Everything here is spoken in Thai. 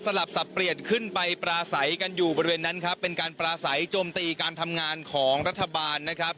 ลับสับเปลี่ยนขึ้นไปปราศัยกันอยู่บริเวณนั้นครับเป็นการปราศัยโจมตีการทำงานของรัฐบาลนะครับ